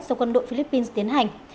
do quân đội philippines tiến hành